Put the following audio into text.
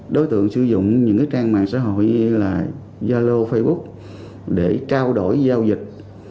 đối tượng sử dụng những trang mạng xã hội như là zalo facebook để trao đổi giao dịch